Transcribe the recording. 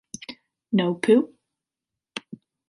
No poo?